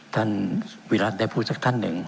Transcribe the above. ท่านวิรัติได้พูดสักท่านหนึ่ง